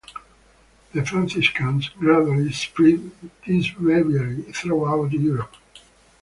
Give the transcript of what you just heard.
The Franciscans gradually spread this breviary throughout Europe.